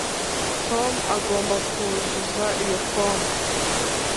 tom agomba kuzuza iyi fomu.